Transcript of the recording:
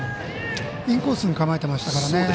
インコースに構えてましたからね。